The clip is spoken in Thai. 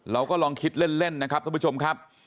เราก็ลองคิดเล่นนะครับท่านผู้ชมครับ